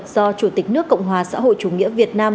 do chủ tịch nước cộng hòa xã hội chủ nghĩa việt nam